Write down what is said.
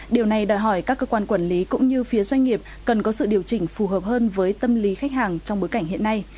điều này đòi hỏi các cơ quan quản lý cũng như phía doanh nghiệp cần có sự điều chỉnh phù hợp hơn với tâm lý khách hàng trong bối cảnh hiện nay